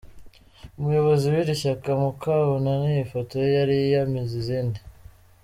Umuyobozi w’iri shyaka Mukabunani ifoto ye yari yamize izindi.